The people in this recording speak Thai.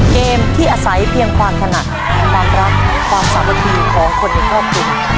เกมที่อาศัยเพียงความถนัดความรักความสามัคคีของคนในครอบครัว